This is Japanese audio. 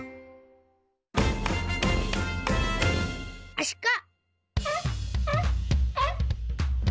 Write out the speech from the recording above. アシカ。